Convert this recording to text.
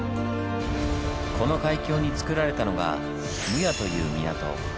この海峡につくられたのが「撫養」という港。